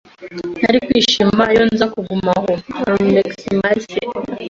Nari kwishima iyo nza kuguma aho. (alexmarcelo)